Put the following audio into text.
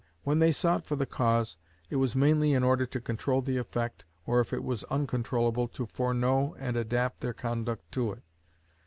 When they sought for the cause, it was mainly in order to control the effect or if it was uncontrollable, to foreknow and adapt their conduct to it.